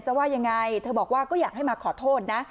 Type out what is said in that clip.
ว่ายังไงเธอบอกว่าก็อยากให้มาขอโทษนะ